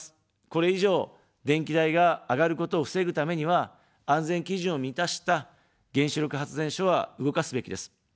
これ以上、電気代が上がることを防ぐためには、安全基準を満たした原子力発電所は動かすべきです。